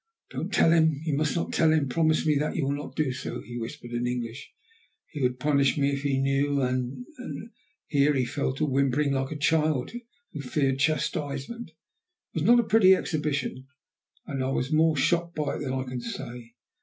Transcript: "Don't tell him; you must not tell him, promise me that you will not do so," he whispered in English. "He would punish me if he knew, and and " Here he fell to whimpering like a child who feared chastisement. It was not a pretty exhibition, and I was more shocked by it than I can say.